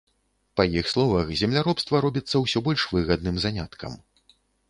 Па іх словах, земляробства робіцца ўсё больш выгадным заняткам.